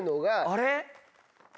あれ？